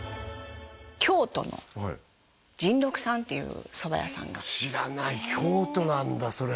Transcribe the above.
京都のじん六さんっていう蕎麦屋さんが知らない京都なんだそれ